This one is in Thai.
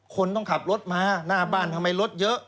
คนต้องขับรถมาหน้าบ้านทำไมรถเยอะ